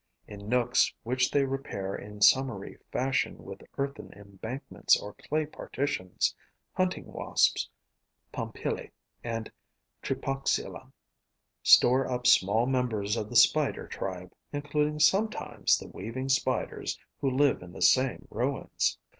In nooks which they repair in summary fashion with earthen embankments or clay partitions, Hunting Wasps Pompili and Tripoxyla store up small members of the Spider tribe, including sometimes the Weaving Spiders who live in the same ruins.